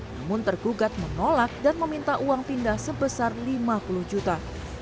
namun tergugat menolak dan meminta uang pindah sebesar lima puluh juta